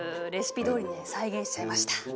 レシピどおりに再現しちゃいました。